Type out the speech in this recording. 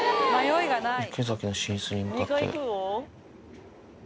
池崎の寝室に向かって。